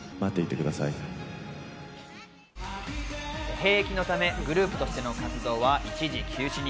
兵役のため、グループとしての活動は一時休止に。